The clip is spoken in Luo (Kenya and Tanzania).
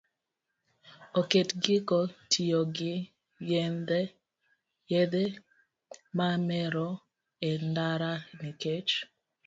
Oket giko tiyo gi yedhe mamero e ndara nikech